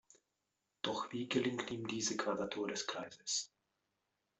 Doch wie gelingt ihm diese Quadratur des Kreises?